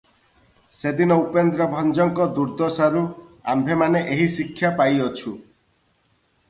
ସେଦିନ ଉପେନ୍ଦ୍ରଭଞ୍ଜଙ୍କ ଦୁର୍ଦ୍ଦଶାରୁ ଆମ୍ଭେମାନେ ଏହି ଶିକ୍ଷା ପାଇଅଛୁ ।